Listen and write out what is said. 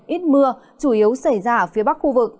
ít mưa chủ yếu xảy ra ở phía bắc khu vực